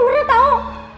lo pernah tau